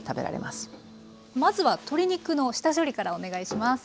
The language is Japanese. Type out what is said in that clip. まずは鶏肉の下処理からお願いします。